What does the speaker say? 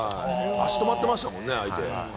足止まってましたもんね、相手。